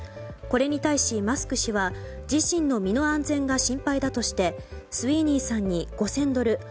これに対し、マスク氏は自身の身の安全が心配だとしてスウィーニーさんに５０００ドル